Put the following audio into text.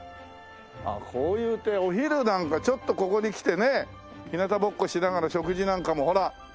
あっこういう庭園お昼なんかちょっとここに来てね日なたぼっこしながら食事なんかもほら。